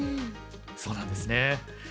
そうなんですね。